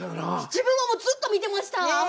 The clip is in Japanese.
自分はずっと見てました！